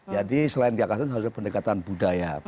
jadi selain gagasan harusnya pendekatan budaya